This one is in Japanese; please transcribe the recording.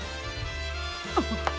あっ！